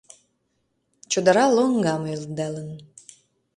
Чодыра лоҥгам ӧндалын